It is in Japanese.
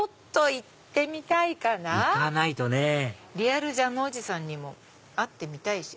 行かないとねリアルジャムおじさんにも会ってみたいし。